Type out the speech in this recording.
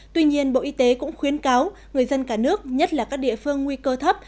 tuy nhiên bộ y tế cũng khuyến cáo người dân cả nước nhất là các địa phương nguy cơ thấp